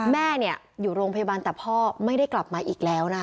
แม่อยู่โรงพยาบาลแต่พ่อไม่ได้กลับมาอีกแล้วนะคะ